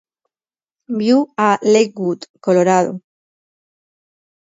Viu a Lakewood, Colorado.